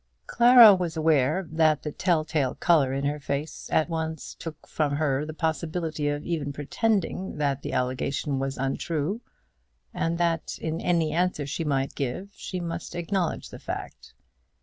Clara was aware that the tell tale colour in her face at once took from her the possibility of even pretending that the allegation was untrue, and that in any answer she might give she must acknowledge the fact.